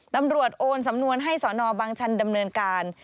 โอนสำนวนให้สนบางชันดำเนินการ